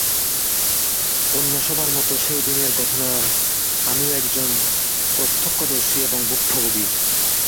অন্য সবার মতো সেই দিনের ঘটনার আমিও একজন প্রত্যক্ষদর্শী এবং ভুক্তভোগী।